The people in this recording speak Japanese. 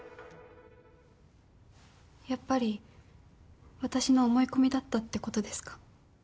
やっぱり私の思い込みだったってことですか。